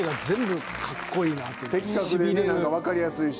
的確で分かりやすいし。